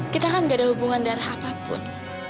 kita kan gak ada hubungan darah apapun